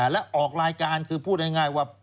แล้วออกรายการคือพูดง่ายว่า